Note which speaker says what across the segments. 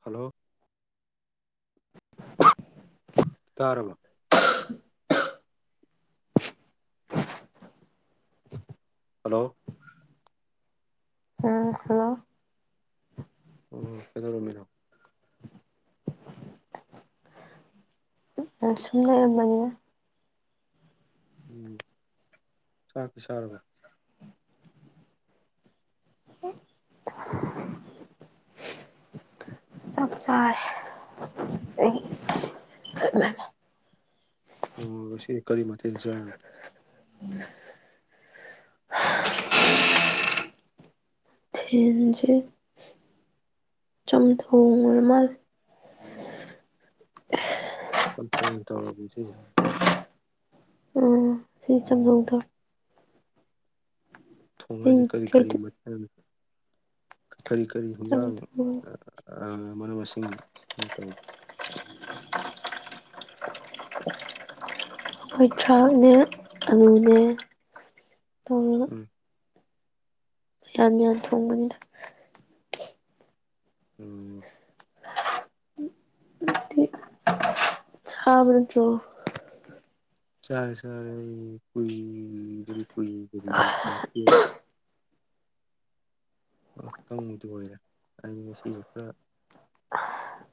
Speaker 1: hello
Speaker 2: [unintelligible]
Speaker 1: ꯇꯥꯔꯕꯥ
Speaker 2: [unintelligible]
Speaker 1: hello
Speaker 2: [unintelligible]
Speaker 1: ꯑꯣ ꯀꯩꯗꯧꯔꯝꯃꯤꯅꯣ
Speaker 2: ꯁꯨꯝ ꯂꯩꯔꯥꯝ ꯃꯅꯤ
Speaker 1: ꯎꯝ ꯆꯥꯛꯀ ꯆꯥꯔꯕꯣ
Speaker 2: ꯇꯞ ꯆꯔ [unintelligible]
Speaker 1: ꯑꯣ ꯁꯤ ꯀꯔꯤ ꯃꯇꯊꯦꯜ ꯁꯥꯔ
Speaker 2: [unintelligible] ꯆꯝꯊꯣꯡꯉ ꯑꯣꯏꯔ ꯃꯥꯜ
Speaker 1: ꯆꯝꯊꯣꯛ ꯑꯣꯏꯅ ꯇꯥꯔꯕꯅꯤ ꯁꯤꯁꯦ
Speaker 2: ꯎꯝ ꯁꯤ ꯆꯝꯊꯣꯡꯊ
Speaker 1: ꯊꯣꯡ ꯍꯥꯏꯁꯦ ꯀꯔꯤ ꯀꯔꯤ
Speaker 2: ꯑꯩꯈꯩꯗꯤ
Speaker 1: ꯃꯊꯦꯜ ꯀꯔꯤ ꯀꯔꯤ ꯍꯤꯟꯖꯥꯡ
Speaker 2: ꯆꯝꯊꯣꯡ
Speaker 1: ꯃꯔꯨꯞ ꯃꯁꯤꯡ ꯇꯧ
Speaker 2: ꯍꯋꯥꯏ ꯊꯔꯥꯛꯅꯦ ꯑꯥꯂꯨꯅꯦ ꯇꯧꯔꯒ
Speaker 1: ꯎꯝ
Speaker 2: ꯃꯌꯥꯟ ꯃꯌꯥꯟ ꯊꯣꯡꯕꯅꯤꯗ
Speaker 1: ꯎꯝ
Speaker 2: [unintelligible] ꯅꯇ꯭ꯣꯔ
Speaker 1: ꯆꯥꯔꯦ ꯆꯥꯔꯦ [unintelligible] ꯉꯥꯛꯇꯪꯕꯨꯗ ꯑꯣꯏꯔꯦ ꯑ ꯉꯁꯤꯁꯦ ꯈꯔ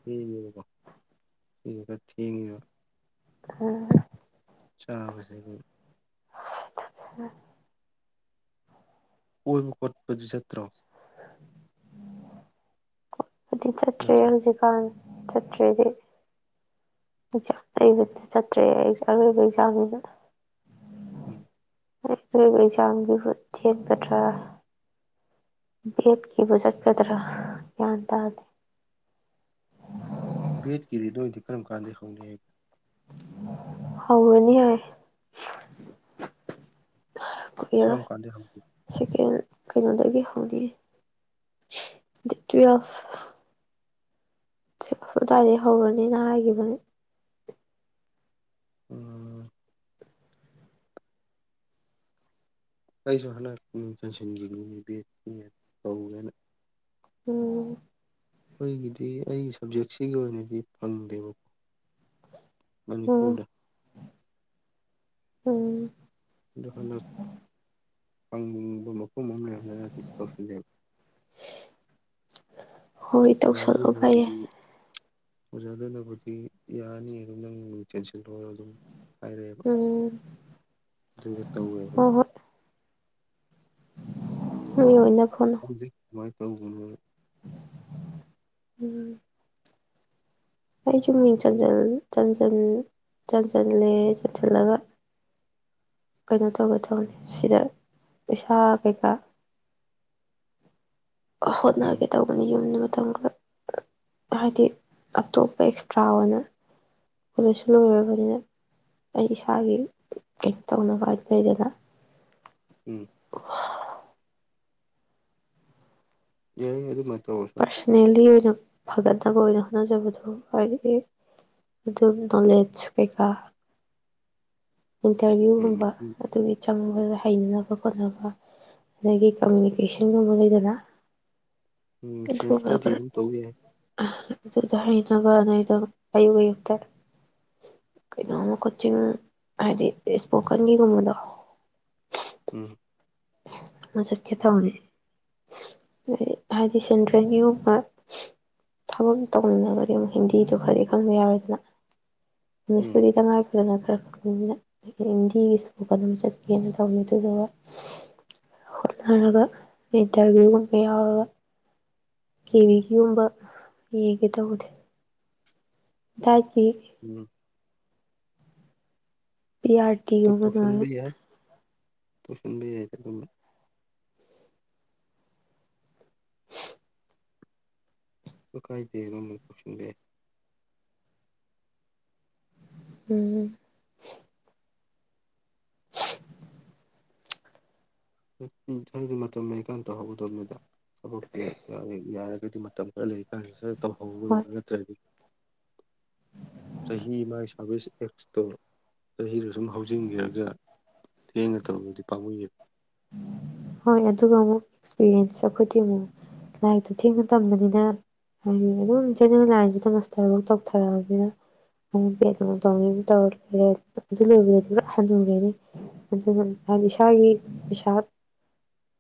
Speaker 1: ꯇꯦꯡꯉꯦꯕꯀꯣ [unintelligible]
Speaker 2: ꯎꯝ
Speaker 1: ꯆꯥꯕꯁꯦ ꯀꯣꯏꯕ ꯈꯣꯠꯄꯗꯨ ꯆꯠꯇ꯭ꯔꯣ [unintelligible]
Speaker 2: [unintelligible] ꯆꯢꯇꯔꯦ ꯑꯩꯗꯤ ꯑꯦꯛꯖꯥꯝ ꯂꯩꯕꯅ ꯆꯠꯇ꯭ꯔꯦ ꯑꯩ ꯑꯔꯣꯏꯕ ꯑꯦꯛꯖꯥꯝꯅꯤꯅ
Speaker 1: ꯎꯝ
Speaker 2: ꯑꯦꯛꯖꯥꯝꯒꯤꯕꯨꯠ ꯆꯦꯟꯒꯗ꯭ꯔꯥ ꯚꯦꯠꯀꯤꯕꯨ ꯆꯠꯀꯗ꯭ꯔꯥ ꯒ꯭ꯌꯥꯟ ꯇꯥꯗꯦ
Speaker 1: ꯕꯦꯠꯀꯤꯗꯤ ꯅꯣꯏꯗꯤ ꯀꯔꯝ ꯀꯥꯟꯗꯩ ꯍꯧꯅꯤ ꯍꯥꯏ
Speaker 2: ꯍꯧꯔꯥꯅꯤ ꯍꯥꯏ
Speaker 1: ꯀꯥꯔꯝ
Speaker 2: ꯀꯨꯏꯔꯔꯣꯏ
Speaker 1: ꯀꯥꯟꯗꯤ ꯍꯧ
Speaker 2: ꯀꯩꯅꯣꯗꯒꯤ ꯍꯧꯅꯤ ꯗꯦꯠ ꯇꯌꯦꯜꯄ ꯑꯥꯗꯥꯏꯗꯒꯤ ꯍꯧꯔꯅꯤꯅ ꯍꯥꯏꯈꯤꯕꯅꯤ
Speaker 1: ꯎꯝ ꯑꯩꯁꯨ ꯍꯟꯗꯛ ꯃꯤꯡ ꯆꯪꯁꯤꯟꯈꯤꯅꯤ ꯕꯦꯠ ꯇꯧꯒꯦꯅ
Speaker 2: ꯎꯝ
Speaker 1: ꯑꯩꯈꯣꯏꯒꯤꯗꯤ ꯑꯩꯒꯤ ꯁꯕꯖꯦꯛꯁꯤꯒꯤ ꯑꯣꯏꯅꯗꯤ ꯐꯪꯗꯦꯕꯀꯣ
Speaker 2: ꯎꯝ
Speaker 1: ꯃꯅꯤꯄꯨꯔꯗ
Speaker 2: ꯎꯝ
Speaker 1: ꯑꯗꯨ ꯍꯟꯗꯛ ꯐꯪꯕ ꯃꯐꯝ ꯑꯃ ꯂꯩꯗꯅ ꯇꯧꯁꯤꯜꯂꯦꯕ
Speaker 2: ꯍꯣꯏ
Speaker 1: ꯑꯖꯗꯤ
Speaker 2: ꯇꯧꯁꯜꯂꯣ ꯐꯩꯌꯦ
Speaker 1: [unintelligible] ꯑꯣꯖꯗꯅꯕꯨꯗꯤ ꯌꯥꯅꯤ ꯑꯗꯨ ꯅꯪ ꯆꯦꯟꯁꯤꯜꯂꯣ ꯑꯗꯨꯝ ꯍꯥꯏꯔꯛꯑꯦꯕ
Speaker 2: ꯎꯝ
Speaker 1: ꯑꯗꯨꯒ ꯇꯧꯋꯦꯕ
Speaker 2: ꯍꯣ ꯍꯣꯏ ꯃꯤ ꯑꯣꯏꯅꯕ ꯍꯣꯠꯅꯧ
Speaker 1: ꯗꯨꯃꯥꯏꯟ ꯇꯧꯒꯅꯣꯅ
Speaker 2: ꯎꯝ ꯑꯩꯁꯨ ꯃꯤꯡ
Speaker 1: ꯎꯝ
Speaker 2: ꯆꯟꯖꯜ ꯆꯟꯖꯜ ꯆꯟꯖꯜꯂꯦ ꯆꯟꯁꯤꯜꯂꯒ ꯀꯩꯅꯣ ꯇꯧꯕꯒ ꯊꯧꯕꯅꯤ ꯁꯤꯗ ꯄꯩꯁꯥ ꯀꯩꯀꯥ ꯑ
Speaker 1: ꯎꯝ
Speaker 2: ꯍꯣꯠꯅꯒꯦ ꯇꯧ ꯌꯨꯝꯗ ꯃꯇꯝ ꯈꯔ ꯍꯥꯏꯗꯤ ꯑꯇꯣꯞꯄ ꯑꯦꯛꯁꯇ꯭ꯔꯥ ꯑꯣꯏꯅ ꯀꯣꯂꯦꯖꯁꯨ ꯂꯣꯏꯔꯕꯅꯤꯅ ꯑꯩ ꯏꯁꯥꯒꯤ ꯀꯩꯅꯣ ꯇꯧꯅꯕ ꯍꯥꯏ ꯂꯩꯗꯅ
Speaker 1: ꯎꯝ ꯌꯥꯏ ꯌꯥꯏ [unintelligible]
Speaker 2: ꯄꯥꯔꯁꯅꯦꯜꯂꯤ ꯑꯣꯏꯅ ꯐꯒꯠꯅꯕ ꯑꯣꯏꯅ ꯍꯣꯠꯅꯖꯕꯗꯨ ꯍꯥꯏꯗꯤ ꯑꯦ ꯑꯗꯨꯝ ꯅꯣꯂꯦꯖ ꯀꯩꯀꯥ
Speaker 1: ꯎꯝ
Speaker 2: ꯏꯟꯇꯔꯚꯤꯌꯨꯒꯨꯝꯕ
Speaker 1: ꯎꯝ
Speaker 2: ꯑꯗꯨꯒꯤ ꯆꯪꯕꯗ ꯍꯩꯅꯕ ꯈꯣꯠꯅꯕ ꯑꯗꯒꯤ ꯀꯃꯨꯅꯤꯀꯦꯁꯟꯒꯨꯝꯕ ꯂꯩꯗꯅ
Speaker 1: ꯎꯝ ꯁꯦꯜꯄ
Speaker 2: ꯑꯗꯨꯒ
Speaker 1: ꯁꯇꯥꯗꯤ
Speaker 2: ꯈꯔ
Speaker 1: ꯑꯗꯨꯝ ꯇꯧ ꯌꯥꯏ
Speaker 2: ꯑꯗꯨꯗ ꯍꯩꯅꯕ ꯍꯩꯅꯕꯅ ꯑꯩꯗꯣ ꯑꯌꯨꯛ ꯑꯌꯨꯛꯇ ꯀꯩꯅꯣꯝꯃ ꯀꯣꯆꯤꯡ ꯍꯥꯏꯗꯤ ꯏꯁꯄꯣꯀꯟꯒꯤꯒꯨꯝꯕꯗꯣ
Speaker 1: ꯎꯝ
Speaker 2: ꯑꯃꯥ ꯆꯠꯀꯦ ꯇꯧꯅꯤ ꯍꯥꯏꯗꯤ ꯁꯦꯟꯇꯔꯦꯟꯒꯤꯒꯨꯝꯕ ꯊꯕꯛ ꯇꯧꯅꯤꯉꯥꯒꯗꯤ ꯑꯃꯨꯛ ꯍꯤꯟꯗꯤꯗꯨ ꯈꯔꯗꯤ ꯈꯪꯗ ꯌꯥꯔꯣꯏꯗꯅ
Speaker 1: ꯎꯝ
Speaker 2: ꯏꯪꯂꯤꯁꯄꯨꯗꯤ ꯇꯉꯥꯏ ꯐꯖꯅ ꯈꯔ ꯈꯔꯅ ꯍꯤꯟꯗꯤꯒꯤꯁꯨ ꯏꯁꯄꯣꯀꯟ ꯆꯠꯀꯦꯅ ꯇꯧꯅꯤ ꯑꯗꯨꯗꯨꯒ ꯍꯣꯠꯅꯔꯒ ꯏꯟꯇꯔꯕꯤꯌꯨꯒꯨꯝꯕ ꯌꯥꯎꯔꯒ ꯀꯤꯚꯤꯒꯤꯒꯨꯝꯕ ꯌꯦꯡꯒꯦ ꯇꯧꯕꯅꯦ ꯗꯥꯏꯠꯀꯤ
Speaker 1: ꯎꯝ
Speaker 2: ꯄꯤꯌꯥꯔ
Speaker 1: ꯇꯣꯁꯟꯕꯤ ꯌꯥꯏ ꯇꯨꯁꯟꯕꯤ ꯌꯥꯏ ꯑꯗꯨꯒꯨꯕ ꯑꯗꯨ ꯀꯥꯏꯗꯦ ꯑꯗꯨꯝ ꯇꯧꯁꯟꯕ ꯌꯥꯏ
Speaker 2: ꯎꯝ
Speaker 1: [unintelligible] ꯃꯇꯝ ꯂꯩꯀꯥꯟꯗ ꯇꯧꯍꯧꯒꯗꯕꯅꯤꯗ ꯊꯕꯛꯇꯤ ꯌꯥꯔ ꯌꯥꯔꯒꯗꯤ ꯃꯇꯝ ꯈꯔ ꯂꯩꯔꯤ ꯀꯥꯏꯗ ꯁꯠ
Speaker 2: ꯍꯣꯏ
Speaker 1: ꯇꯧꯍꯧꯒꯗꯧꯅꯦ ꯅꯠꯇ꯭ꯔꯗꯤ ꯆꯍꯤ ꯃꯥꯏ ꯁꯥꯔꯚꯤꯁ ꯑꯦꯛꯁꯇꯣ ꯆꯍꯤꯗꯣ ꯁꯨꯝ ꯍꯧꯖꯤꯟꯒꯔꯥꯒ ꯊꯦꯡꯅ ꯇꯧꯕꯗꯤ ꯄꯥꯃꯨꯏꯌꯦꯕ
Speaker 2: ꯍꯣꯏ ꯑꯗꯨꯒ ꯑꯃꯨꯛ ꯑꯦꯛꯁꯄꯤꯔꯤꯌꯦꯟꯁ ꯑꯩꯈꯣꯏꯗꯤ ꯑꯃꯨꯛ ꯂꯥꯏꯔꯤꯛꯇꯨ ꯊꯦꯡꯅ ꯇꯝꯕꯅꯤꯅ ꯍꯥꯏꯗꯤ ꯑꯗꯨꯝ ꯖꯦꯅꯔꯦꯜ ꯂꯥꯏꯟꯁꯤꯗ ꯃꯥꯁꯇꯔꯕꯧ ꯇꯧꯊꯔꯛꯑꯕꯅꯤꯅ ꯑꯃꯨꯛ ꯕꯦꯠ ꯑꯃꯨꯛ ꯇꯧꯅꯤ ꯑꯗꯨ ꯇꯧꯂꯩꯔꯗꯤ ꯑꯗꯨ ꯂꯣꯏꯕꯗꯗꯤ ꯂꯣꯏ ꯍꯥꯅꯨꯔꯅꯤ ꯑꯗꯨꯒ ꯏꯁꯥꯒꯤ ꯄꯩꯁꯥ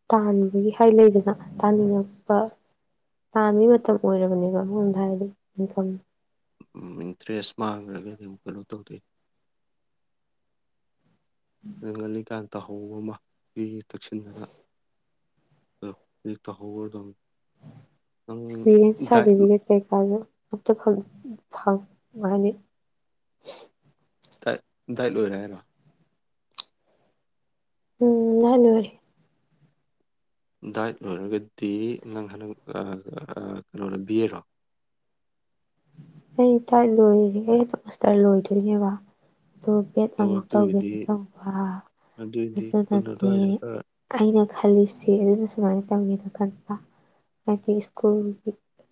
Speaker 2: ꯇꯥꯟꯕꯒꯤ ꯍꯥꯏ ꯂꯩꯗꯅ ꯇꯥꯅꯤꯡꯉꯛꯄ ꯇꯥꯟꯕꯩ ꯃꯇꯝ ꯑꯣꯏꯔꯕꯅꯦꯕ ꯃꯔꯣꯝꯗ ꯍꯥꯏꯔꯕꯗꯤ ꯁꯤꯟꯐꯝ
Speaker 1: ꯎꯝ ꯏꯟꯇꯔꯦꯁ ꯃꯥꯡꯈꯔꯒꯖꯨ ꯀꯩꯅꯣ ꯇꯧꯗꯦ ꯅꯪ ꯉꯜꯂꯤꯀꯥꯟ ꯇꯥꯍꯧꯕ ꯑꯃ ꯒꯤꯒꯤ ꯇꯛꯁꯤꯟꯗꯅ ꯗꯣ ꯍꯧꯖꯤꯛ ꯇꯧꯍꯧꯔꯗꯧꯅꯤ
Speaker 2: ꯑꯦꯛꯁꯄꯤꯔꯤꯌꯦꯟꯁ ꯁꯥꯔꯇꯤꯐꯤꯀꯦꯠ ꯀꯩꯀꯥꯗꯣ ꯑꯝꯇ ꯐꯪ ꯐꯪ ꯍꯥꯏꯗꯤ
Speaker 1: ꯗꯥꯏ ꯗꯥꯏꯠ ꯂꯣꯏꯔꯦ ꯍꯥꯏꯔꯣ
Speaker 2: ꯎꯝ ꯗꯥꯏꯠ ꯂꯣꯏꯔꯦ
Speaker 1: ꯗꯥꯏꯠ ꯂꯣꯏꯔꯒꯗꯤ ꯅꯪ ꯍꯟꯗꯛ ꯑ ꯑ ꯀꯩꯅꯣ ꯕꯤꯑꯦꯔꯣ
Speaker 2: ꯑꯩ ꯗꯥꯏꯠ ꯂꯣꯏꯔꯦ ꯑꯩ ꯃꯥꯁꯇꯔ ꯂꯣꯏꯗꯣꯏꯅꯦꯕ ꯑꯗꯣ ꯕꯦꯠ
Speaker 1: ꯑꯣ
Speaker 2: ꯑꯃꯨꯛ
Speaker 1: ꯑꯗꯨꯏꯗꯤ
Speaker 2: ꯇꯧꯒꯦꯅ ꯇꯧꯕ
Speaker 1: ꯑꯗꯨꯏꯗꯤ ꯈꯨꯟ
Speaker 2: ꯑꯗꯨꯅꯗꯤ
Speaker 1: ꯑꯗꯨꯋꯥꯏꯗ ꯈꯔ
Speaker 2: ꯑꯩꯅ ꯈꯜꯂꯤꯁꯦ ꯑꯗꯨꯅ ꯁꯨꯃꯥꯏꯅ ꯇꯧꯒꯦꯅ ꯈꯟꯕ ꯍꯥꯏꯗꯤ ꯁ꯭ꯀꯨꯜꯒꯤ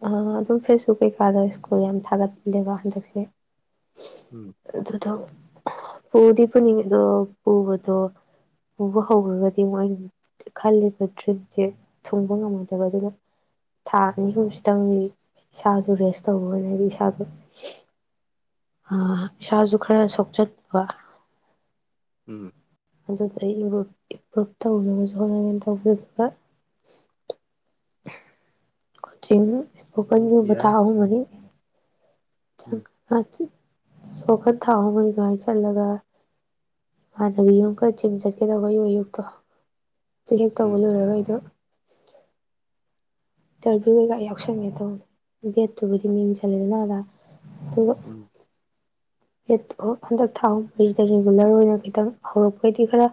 Speaker 2: ꯑ ꯑꯗꯨꯝ ꯐꯦꯁꯕꯨꯛ ꯀꯩꯀꯥꯗ ꯁ꯭ꯀꯨꯜ ꯌꯥꯝ ꯊꯥꯒꯠꯂꯦꯕ ꯍꯟꯗꯛꯁꯦ
Speaker 1: ꯎꯝ
Speaker 2: ꯑꯗꯨꯗꯣ ꯄꯨꯗꯤ ꯄꯨꯅꯤꯡꯉꯦ ꯑꯗꯣ ꯄꯨꯕꯗꯣ ꯄꯨꯕ ꯍꯧꯔꯒꯗꯤ ꯃꯣꯏ ꯈꯜꯂꯤꯕ ꯗ꯭ꯔꯤꯝꯁꯦ ꯊꯨꯡꯕ ꯉꯝꯃꯣꯏꯗꯕ ꯑꯗꯨꯅ ꯊꯥ ꯑꯅꯤ ꯑꯍꯨꯝꯁꯤꯇꯪꯗꯤ ꯏꯁꯥꯁꯨ ꯔꯦꯁ ꯇꯧꯕꯅ ꯍꯥꯏꯗꯤ ꯏꯁꯥꯗ ꯏꯁꯥꯁꯨ ꯈꯔ ꯁꯣꯛꯆꯟꯕ
Speaker 1: ꯎꯝ
Speaker 2: ꯑꯗꯨꯗ ꯑꯩ ꯏꯄ꯭ꯔꯨꯞ ꯇꯧꯅꯕꯁꯨ ꯍꯣꯠꯅꯩꯅ ꯇꯧꯕꯖꯕ ꯀꯣꯆꯤꯡ
Speaker 1: ꯎꯝ
Speaker 2: ꯏꯁꯄꯣꯀꯟꯒꯤꯕ ꯊꯥ
Speaker 1: ꯌꯥꯏ
Speaker 2: ꯑꯍꯨꯝ ꯃꯔꯤ
Speaker 1: ꯎꯝ
Speaker 2: ꯁꯄꯣꯀꯟ ꯊꯥ ꯑꯍꯨꯝ ꯃꯔꯤꯗꯨ ꯍꯥꯟꯅ ꯆꯠꯂꯒ ꯍꯥꯟꯅꯒꯤ ꯌꯨꯝ ꯈ ꯆꯝ ꯆꯠꯀꯦꯗꯧꯕ ꯌꯨ ꯑꯌꯨꯛꯇꯣ ꯑꯗꯨ ꯍꯦꯛ ꯇꯧꯕ
Speaker 1: ꯎꯝ
Speaker 2: ꯂꯣꯏꯔꯔꯣꯏ ꯑꯩꯗꯣ ꯏꯟꯇꯔꯚꯤꯌꯨ ꯀꯩꯀ ꯌꯥꯎꯁꯟꯒꯦ ꯇꯧꯅꯤ ꯕꯦꯠꯇꯨꯕꯨꯗꯤ ꯃꯤꯡ ꯆꯜꯂꯦꯗꯅ ꯑꯥꯗ ꯑꯗꯨꯒ
Speaker 1: ꯎꯝ
Speaker 2: ꯍꯦꯗ ꯍꯟꯗꯛ ꯊꯥꯍꯩꯁꯤꯗ ꯔꯤꯒꯨꯂꯔ ꯑꯣꯏꯅ ꯈꯤꯇꯪ ꯍꯧꯔꯛꯄꯗꯤ ꯈꯔ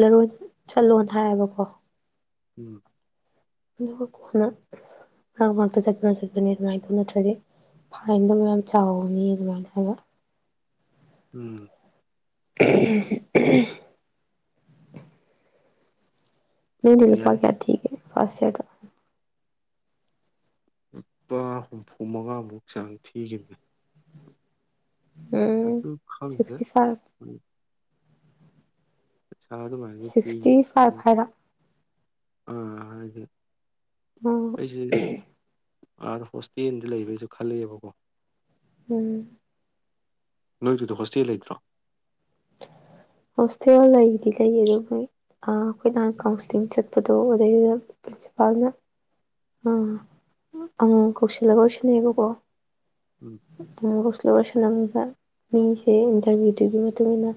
Speaker 2: ꯂꯔꯣꯟ ꯁꯠꯂꯣꯟ ꯍꯥꯏꯌꯦꯕꯀꯣ
Speaker 1: ꯎꯝ
Speaker 2: ꯑꯗꯨꯒ ꯀꯣꯟꯅ ꯉꯥꯛ ꯉꯥꯛꯇ ꯆꯠꯄꯅ ꯆꯠꯄꯅꯦ ꯑꯗꯨꯃꯥꯏꯗꯣ ꯅꯠꯇ꯭ꯔꯗꯤ ꯐꯥꯏꯟ ꯑꯗꯨ ꯃ ꯌꯥꯝ ꯆꯥꯎꯅꯤ ꯑꯗꯨꯃꯥꯏꯅ ꯇꯅ
Speaker 1: ꯎꯝ
Speaker 2: [unintelligible] ꯅꯣꯏꯅꯤꯂꯨꯄꯥ
Speaker 1: ꯌꯥꯏ
Speaker 2: ꯀꯌꯥ ꯊꯤꯀꯦ ꯐꯔꯁ ꯌꯔꯗ
Speaker 1: ꯂꯨꯄꯥ ꯍꯨꯝꯐꯨ ꯃꯉꯥꯃꯨꯛ ꯆꯥꯡ ꯊꯤꯈꯤꯕꯅꯤ
Speaker 2: ꯎꯝ
Speaker 1: ꯑꯗꯨ ꯈꯪꯗꯦ
Speaker 2: ꯁꯤꯛꯁꯇꯤ ꯐꯥꯏꯚ
Speaker 1: ꯆ ꯑꯗꯨ ꯃꯥꯗꯤ ꯊ
Speaker 2: ꯁꯤꯛꯁꯇꯤ ꯐꯥꯏꯚ ꯍꯥꯏꯔ
Speaker 1: ꯑꯥ ꯑꯗ
Speaker 2: ꯎꯝ
Speaker 1: ꯑꯩꯁꯦ ꯑꯥꯔ ꯍꯣꯁꯇꯦꯜꯗ ꯂꯩꯕꯩꯁꯨ ꯈꯜꯂꯛꯦꯕꯀꯣ
Speaker 2: ꯎꯝ
Speaker 1: ꯅꯣꯏꯗꯨꯗ ꯍꯣꯁꯇꯦꯜ ꯂꯩꯇ꯭ꯔꯣ
Speaker 2: ꯍꯣꯁꯇꯦꯜ ꯂꯩꯗꯤ ꯂꯩ ꯑꯗꯨꯗꯣ ꯃꯣꯏ ꯑꯩꯈꯣꯏ ꯅꯍꯥꯟ ꯀꯥꯎꯟꯁꯤꯂꯤꯡ ꯆꯠꯄꯗꯣ ꯑꯗꯨꯗꯩꯗꯨꯗ ꯄꯥꯅ ꯎꯝ ꯑꯪ ꯀꯧꯁꯤꯜꯂꯒ ꯑꯣꯏꯁꯅꯦꯕꯣꯀꯣ
Speaker 1: ꯎꯝ
Speaker 2: ꯀꯧꯁꯤꯜꯂꯒ ꯂꯣꯏꯁꯜꯂꯝꯃꯤꯕ ꯃꯤꯁꯦ ꯏꯟꯇꯔꯚꯤꯌꯨꯗꯨꯒꯤ ꯃꯇꯨꯡ ꯏ ꯃꯇꯨꯡꯏꯟꯅ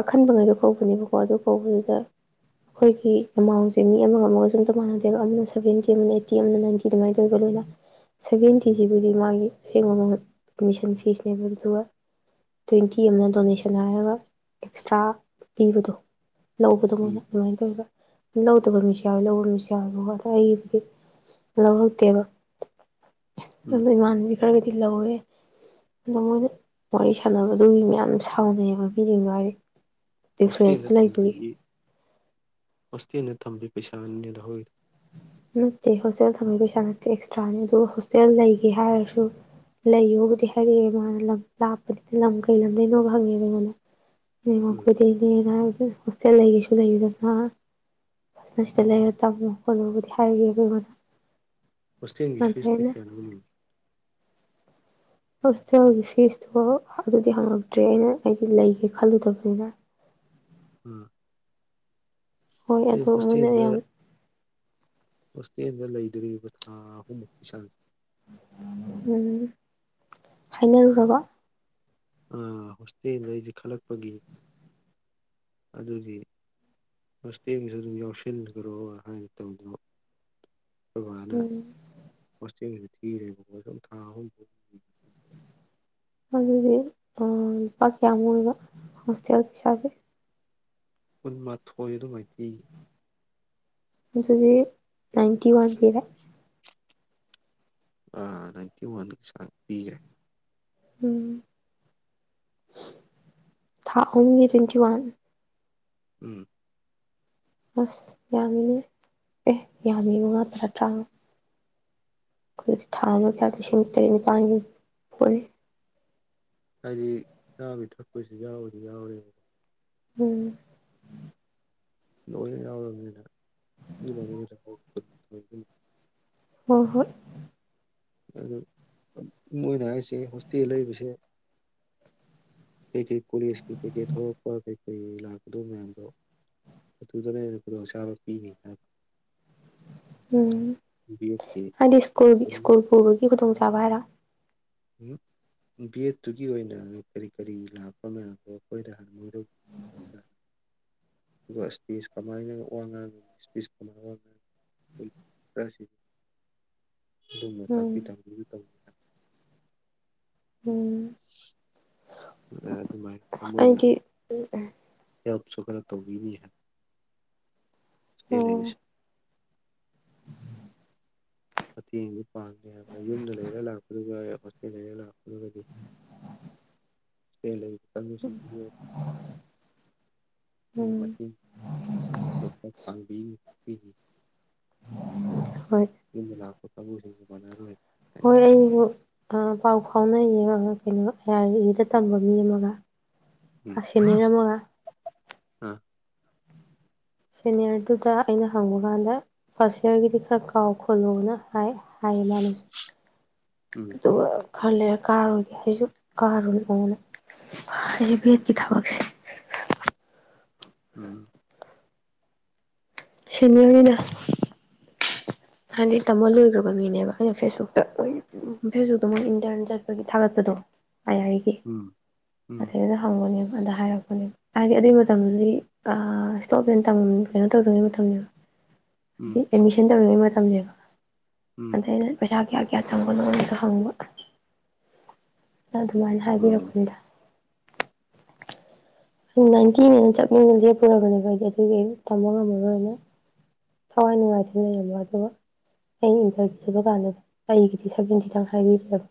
Speaker 2: ꯑꯈꯟꯕ ꯉꯩꯗꯣ ꯀꯧꯕꯅꯦꯕꯀꯣ ꯑꯗꯨ ꯀꯧꯕꯗꯨꯗ ꯑꯩꯈꯣꯏꯒꯤ ꯑꯦꯃꯥꯎꯟꯁꯦ ꯃꯤ ꯑꯃꯒ ꯑꯃꯒ ꯁꯨꯝꯇ ꯃꯥꯟꯅꯗꯦꯕ ꯑꯗꯨꯝꯅ ꯁꯦ ꯑꯗꯨꯃꯅ ꯇꯧ
Speaker 1: ꯎꯝ
Speaker 2: ꯂꯣꯏꯦꯟꯇꯤꯕꯨ ꯑꯗꯨ ꯃꯥꯒꯤ ꯑꯁꯦꯡꯕ ꯑꯦꯠꯃꯤꯁꯟ ꯐꯤꯁꯅꯦꯕ ꯑꯗꯨꯗꯨꯒ ꯇ꯭ꯋꯦꯟꯇꯤ ꯑꯃꯅ ꯗꯣꯅꯦꯁꯟ ꯍꯥꯏꯔꯒ ꯑꯦꯛꯁꯇ꯭ꯔꯥ ꯄꯤꯕꯗꯣ ꯂꯧꯕꯗ
Speaker 1: ꯎꯝ
Speaker 2: ꯃꯅ ꯑꯗꯨꯃꯥꯏꯅ ꯇꯧꯋꯤ ꯂꯧꯗꯕ ꯃꯤꯁꯨ ꯌꯥꯎꯋꯦ ꯂꯧꯕ ꯃꯤꯁꯨ ꯌꯥꯎꯋꯦꯕ ꯍ ꯂꯧꯍꯧꯗꯦꯕ
Speaker 1: ꯎꯝ
Speaker 2: ꯑꯗꯨ ꯏꯃꯥꯟꯕꯤ ꯀꯔꯒꯗꯤ ꯂꯧꯒꯋꯦ ꯑꯗꯣ ꯃꯣꯏꯅ ꯋꯥꯔꯤ ꯁꯥꯟꯅꯕꯗꯨꯒꯤ ꯃ ꯌꯥꯝ ꯁꯥꯎꯅꯩꯑꯕ ꯃꯤꯁꯤꯡ ꯋꯥꯔꯤ
Speaker 1: ꯍꯣꯁꯇꯦꯜꯗ
Speaker 2: ꯗꯤꯐ꯭ꯔꯦꯟꯁꯇ ꯂꯩꯕꯒꯤ
Speaker 1: ꯑꯣꯁꯇꯤꯅ ꯊꯝꯕꯤ ꯄꯩꯁꯥ ꯑꯅꯤꯅ ꯂꯧ ꯍꯣꯏ
Speaker 2: ꯅꯠꯇꯦ ꯍꯣꯁꯇꯦꯜ ꯊꯝꯝꯕꯒꯤ ꯄꯩꯁꯥ ꯅꯠꯇꯦ ꯑꯦꯛꯁꯇ꯭ꯔꯥꯅꯤ ꯑꯗꯨꯒ ꯍꯣꯁꯇꯦꯜ ꯂꯩꯒꯦ ꯍꯥꯏꯔꯁꯨ ꯂꯩꯌꯣꯕꯨꯗꯤ ꯍꯥꯏꯔꯛꯑꯦ ꯃꯥꯅ ꯂꯝ ꯂꯥꯛꯄꯗꯨꯗꯤ ꯂꯝ ꯀꯩ ꯂꯝ ꯂꯩꯅꯣꯕ ꯍꯪꯉꯦꯕ ꯑꯩꯉꯣꯟꯗ ꯅꯃ
Speaker 1: ꯎꯝ
Speaker 2: ꯀꯨꯗꯤꯅꯦꯅ ꯍꯣꯁꯇꯦꯜ ꯂꯩ ꯀꯩꯁꯨ ꯂꯩꯗꯅ ꯑꯁꯤꯗ ꯂꯩꯔ ꯇꯝꯃꯨ ꯈꯣꯠꯂꯨꯕꯨꯗꯤ ꯍꯥꯢ ꯈꯣꯏ ꯃꯥꯅ
Speaker 1: ꯍꯣꯇꯦꯡꯒꯤ ꯐꯤꯁꯇꯤ ꯀꯌꯥ ꯂꯧꯋꯤ
Speaker 2: ꯍꯣꯁꯇꯦꯜꯒꯤ ꯐꯤꯁꯇꯣ ꯑꯗꯨꯗꯤ ꯍꯪꯉꯛꯇ꯭ꯔꯦ ꯑꯩꯅ ꯑꯩꯗꯤ ꯂꯩꯒꯦ ꯈꯜꯂꯨꯗꯕꯅꯤꯅ
Speaker 1: ꯑ
Speaker 2: ꯍꯣꯏ
Speaker 1: ꯑꯦ
Speaker 2: ꯑꯗꯣ ꯃꯣꯏꯅ
Speaker 1: ꯍꯣꯁꯇꯦꯜꯗ
Speaker 2: ꯌꯥꯝ
Speaker 1: ꯍꯣꯁꯇꯦꯜꯗ ꯂꯩꯗꯣꯔꯤꯕ ꯊꯥ ꯑꯍꯨꯝꯃꯨꯛ ꯆꯥꯡꯖꯦ
Speaker 2: ꯎꯝ ꯍꯥꯏꯅꯔꯨꯔꯕꯣ
Speaker 1: ꯑꯥ ꯍꯣꯁꯇꯦꯜꯗꯩꯗꯤ ꯈꯜꯂꯛꯄꯒꯤ ꯑꯗꯨꯒꯤ ꯍꯣꯁꯇꯦꯡꯒꯤꯁꯨ ꯑꯗꯨꯝ ꯌꯥꯎꯁꯤꯟꯈ꯭ꯔꯣ ꯍꯥꯏꯅ ꯇꯧꯗꯅ ꯑꯩꯈꯣꯏ ꯕꯥꯅ
Speaker 2: ꯎꯝ
Speaker 1: ꯍꯣꯁꯇꯦꯟꯁꯤ ꯊꯤꯔꯦ ꯁꯨꯝ ꯊꯥ ꯑꯍꯨꯝ
Speaker 2: ꯑꯗꯨꯗꯤ ꯂꯨꯄꯥ ꯀꯌꯥꯃꯨꯛ ꯑꯣꯏꯕ ꯍꯣꯁꯇꯦꯜ ꯄꯩꯁꯥꯒꯤ
Speaker 1: ꯀꯨꯟꯃꯥꯊꯣꯏ ꯑꯗꯨꯃꯥꯏꯅ ꯊꯤ
Speaker 2: ꯑꯗꯨꯗꯤ ꯅꯥꯏꯟꯇꯤ ꯋꯥꯟ ꯄꯤꯔ
Speaker 1: ꯑ ꯅꯥꯏꯟꯇꯤ ꯋꯥꯟ ꯄꯤꯒꯦ
Speaker 2: ꯎꯝ ꯊꯥ ꯑꯍꯨꯝꯒꯤ ꯇ꯭ꯋꯦꯟꯇꯤ ꯋꯥꯟ
Speaker 1: ꯎꯝ
Speaker 2: ꯑꯁ ꯌꯥꯃꯤꯅꯦ ꯑꯦ ꯌꯥꯃꯤ ꯃꯉꯥ ꯇꯔꯥ ꯇꯔꯥꯃꯉ ꯑꯩꯈꯣꯏ ꯊꯥ ꯑꯃ ꯀꯌꯥ ꯂꯤꯁꯤꯡ ꯇꯔꯦꯠ ꯅꯤꯄꯥꯜꯒꯤ ꯍꯨꯜꯂꯤ
Speaker 1: ꯍꯥꯏꯗꯤ ꯆꯥꯕ ꯊꯛꯄꯁꯨ ꯌꯥꯎꯗꯤ ꯌꯥꯎꯔꯦ
Speaker 2: ꯎꯝ
Speaker 1: ꯂꯣꯏꯅ ꯌꯥꯎꯔꯕꯅꯤꯗ
Speaker 2: ꯍꯣꯏ ꯍꯣꯏ
Speaker 1: ꯑꯗꯨ ꯃꯣꯏꯅ ꯍꯥꯏꯔꯤꯁꯦ ꯍꯣꯁꯇꯦꯜ ꯂꯩꯕꯁꯦ ꯀꯩꯀꯩ ꯀꯣꯂꯤꯁꯀꯤ ꯀꯩꯀꯩ ꯊꯣꯛꯂꯛꯄ ꯀꯩꯀꯩ ꯂꯥꯛꯀꯗꯧ ꯃꯌꯥꯝꯗꯣ ꯑꯗꯨꯗꯅꯦ ꯍꯦꯟꯅ ꯈꯨꯗꯣꯡꯆꯥꯕ ꯄꯤꯅꯤ ꯍꯥꯏꯗꯣ
Speaker 2: ꯎꯝ ꯍꯥꯏꯗꯤ ꯁ꯭ꯀꯨꯜ ꯁ꯭ꯀꯨꯜ
Speaker 1: ꯀꯩꯅꯣꯝꯃ
Speaker 2: ꯄꯨꯕꯒꯤ ꯈꯨꯗꯣꯡꯆꯥꯕ ꯍꯥꯏꯔ
Speaker 1: ꯕꯤꯠ ꯇꯨꯒꯤ ꯑꯣꯏꯅ ꯀꯔꯤ ꯀꯔꯤ ꯂꯥꯛꯄ ꯃꯌꯥꯝꯗꯣ ꯑꯩꯈꯣꯏꯗ ꯍꯥꯟꯅ ꯑꯗꯨꯒ ꯏꯁꯇꯦꯖ ꯀꯃꯥꯏꯅ ꯋꯥ ꯉꯥꯡꯉꯅꯤ ꯏꯁꯄꯤꯁ ꯀꯃꯥꯏꯅ ꯋꯥ ꯉꯥꯡ [unintelligible] ꯑꯗꯨꯝꯅ
Speaker 2: ꯎꯝ
Speaker 1: ꯇꯥꯛꯄꯤ ꯇꯝꯕꯤꯕ ꯇꯧꯅꯤ
Speaker 2: ꯎꯝ
Speaker 1: [inaudible] ꯑꯗꯨꯃꯥꯏꯅ ꯃꯣꯏꯅ
Speaker 2: ꯑꯩꯗꯤ
Speaker 1: ꯍꯦꯜꯞꯁꯨ ꯈꯔ ꯇꯧꯕꯤꯅꯤ ꯍꯥꯏ
Speaker 2: ꯑꯣ
Speaker 1: [unintelligible] ꯃꯇꯦꯡꯗꯤ ꯄꯥꯡꯉꯦ ꯍꯥꯏꯕ ꯌꯨꯝꯗ ꯂꯩꯔ ꯂꯥꯛꯄꯗꯨꯒ ꯍꯣꯁꯇꯦꯜ ꯂꯩꯔ ꯂꯥꯛꯄꯗꯨꯒꯗꯤ [unintelligible] ꯑꯩꯈꯣꯏꯒꯤ
Speaker 2: ꯎꯝ
Speaker 1: ꯃꯇꯦꯡ ꯈꯔ ꯄꯥꯡꯕꯤ ꯄꯤꯅꯤ
Speaker 2: ꯍꯣꯏ
Speaker 1: ꯌꯨꯝꯅ ꯂꯥꯛꯄ ꯀꯥꯡꯕꯨꯁꯤꯡꯒ ꯃꯥꯟꯅꯔꯣꯏ
Speaker 2: ꯍꯣꯏ ꯑꯩꯁꯨ ꯄꯥꯎ ꯐꯥꯎꯅ ꯌꯦꯡꯉꯒ ꯀꯩꯅꯣ ꯑꯥꯏ ꯑꯥꯔ ꯏꯗ ꯇꯝꯕ ꯃꯤ ꯑꯃꯒ ꯑ ꯁꯤꯅꯤꯔ ꯑꯥꯃꯒ
Speaker 1: ꯑꯝ
Speaker 2: ꯁꯦꯅꯤꯌꯔꯗꯨꯗ ꯑꯩꯅ ꯍꯪꯕ ꯀꯥꯟꯗ ꯐꯥꯔꯁ ꯌꯤꯌꯔꯒꯤꯗꯤ ꯈꯔ ꯀꯥꯎ ꯈꯣꯠꯂꯣꯅ ꯍꯥꯏ ꯍꯥꯏꯌꯦ ꯃꯥꯅꯁꯨ
Speaker 1: ꯎꯝ
Speaker 2: ꯑꯗꯨꯒ ꯈꯜꯂ ꯂꯩꯔꯒ ꯀꯥꯔꯨꯔꯣꯏꯒꯦ ꯑꯩꯁꯨ ꯀꯥꯔꯨꯅꯣꯅ ꯍꯥꯏꯗꯤ ꯕꯦꯠꯀꯤ ꯊꯕꯛꯁꯦ
Speaker 1: ꯎꯝ
Speaker 2: ꯁꯤꯅꯤꯗ ꯍꯥꯏꯗꯤ ꯇꯝꯕ ꯂꯣꯏꯈ꯭ꯔꯕ ꯃꯤꯅꯦꯕ ꯑꯩꯅ ꯐꯦꯁꯕꯨꯛꯇ ꯂꯣꯏ ꯐꯦꯁꯕꯨꯛꯇ ꯃꯣꯏ ꯏꯟꯇꯔꯟ ꯆꯠꯄꯒꯤ ꯊꯥꯒꯠꯄꯗꯣ
Speaker 1: [inaudible] ꯎꯝ
Speaker 2: ꯑꯗꯩꯗ ꯍꯪꯕꯅꯦꯕ ꯑꯗ ꯍꯥꯏꯔꯛꯄ ꯍꯥꯏꯗꯤ ꯑꯗꯨꯒꯤ ꯃꯇꯝꯗꯨꯗꯤ ꯏꯁꯇꯣꯞꯅꯦꯟ ꯀꯩꯅꯣ ꯇꯧꯗ꯭ꯔꯤꯉꯩ ꯃꯇꯝꯅꯤꯅ
Speaker 1: ꯎꯝ
Speaker 2: ꯑꯦꯠꯃꯤꯁꯟ ꯇꯧꯔꯤꯉꯩ ꯃꯇꯝꯅꯦꯕ
Speaker 1: ꯎꯝ
Speaker 2: ꯑꯗꯩꯗꯤ ꯄꯩꯁꯥ ꯀꯌꯥ ꯀꯌꯥ ꯆꯪꯕꯅꯣꯅꯁꯨ ꯍꯪꯕ ꯑꯗꯨꯃꯥꯏꯅ
Speaker 1: ꯎꯝ
Speaker 2: ꯍꯥꯏꯕꯤꯔꯛꯄꯅꯤꯗ ꯅꯥꯏꯟꯇꯤꯅꯦꯅ ꯆꯞꯌꯨꯛꯅ ꯂꯦꯞꯄꯨꯔꯕꯅꯦꯕ ꯑꯩꯗꯤ ꯑꯗꯨꯒꯤ ꯇꯝꯕ ꯉꯝꯃꯔꯣꯏꯅ ꯊꯋꯥꯏ ꯅꯨꯡꯉꯥꯏꯇ ꯂꯩꯔꯕ ꯑꯗꯨꯒ ꯑꯩ ꯏꯟꯇꯔꯚ꯭ꯌꯨ ꯆꯥꯡꯕ ꯀꯥꯟꯗ ꯑꯩꯒꯤꯗꯤ ꯁꯕꯦꯟꯇꯤꯗꯪ ꯍꯥꯏꯕꯤꯔꯦꯕ